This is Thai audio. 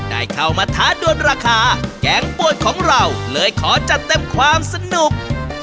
ได้เข้ามาท้าดวนราคาแกงป่วนของเราเลยขอจัดเต็มความสนุก